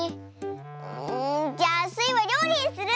んじゃあスイはりょうりにする！